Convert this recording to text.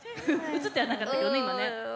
映ってはなかったけどね。